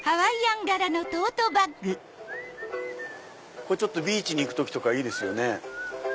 これビーチに行く時とかいいですよね。